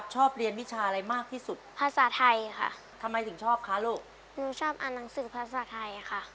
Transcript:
หนูชอบอ่านหนังสือภาษาไทยค่ะ